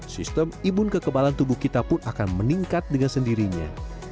sistem imun kekebalan tubuh kita pun akan meningkat dengan sendirinya